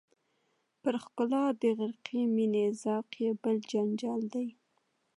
پر ښکلا د غرقې مینې ذوق یې بل جنجال دی.